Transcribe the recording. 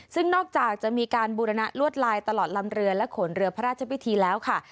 ซึ่งนอกจากจะมีการบูรณะลวดลายตลอดลำเรือและขนเรือพระราชพิธีแล้วค่ะ